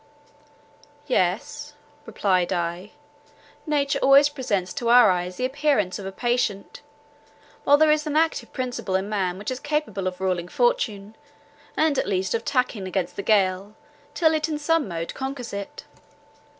"Yet," replied I, "nature always presents to our eyes the appearance of a patient: while there is an active principle in man which is capable of ruling fortune, and at least of tacking against the gale, till it in some mode conquers it."